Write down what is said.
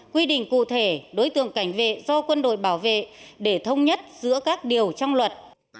quy định cụ thể đối tượng cảnh vệ do quân đội bảo vệ để thông nhất giữa các điều trong luật